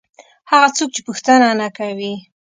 هغه څوک چې پوښتنه نه کوي.